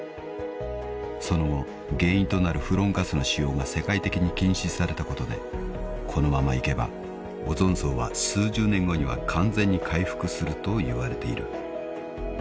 ［その後原因となるフロンガスの使用が世界的に禁止されたことでこのままいけばオゾン層は数十年後には完全に回復するといわれている］